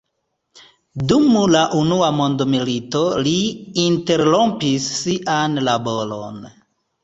Dum la unua mondmilito li interrompis sian laboron.